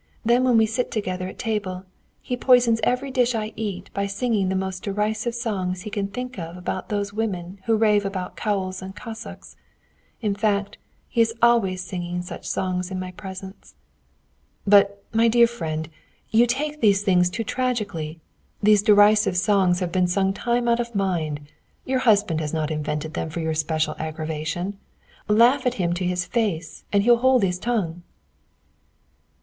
Then when we sit together at table, he poisons every dish I eat by singing the most derisive songs he can think of about those women who rave about cowls and cassocks; in fact, he is always singing such songs in my presence." "But, my dear friend, you take these things too tragically. These derisive songs have been sung time out of mind. Your husband has not invented them for your special aggravation. Laugh at him to his face, and he'll hold his tongue."